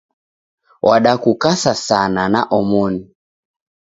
Wadakukasa sana naomoni